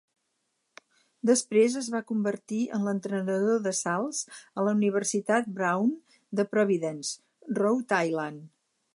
Després es va convertir en l'entrenador de salts a la Universitat Brown de Providence, Rhode Island.